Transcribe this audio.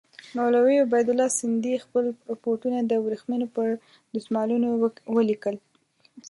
مولوي عبیدالله سندي خپل رپوټونه د ورېښمو پر دسمالونو ولیکل.